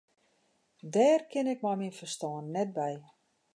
Dêr kin ik mei myn ferstân net by.